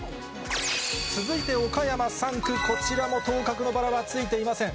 続いて岡山３区、こちらも当確のバラはついていません。